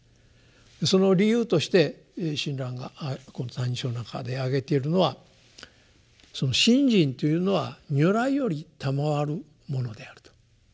その理由として親鸞がこの「歎異抄」の中で挙げているのはその信心というのは如来よりたまわるものであると。